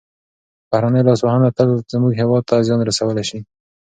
بهرنیو لاسوهنو تل زموږ هېواد ته زیان رسولی دی.